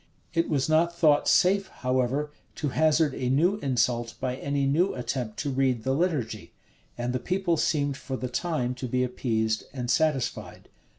[] It was not thought safe, however, to hazard a new insult by any new attempt to read the liturgy; and the people seemed for the time to be appeased and satisfied.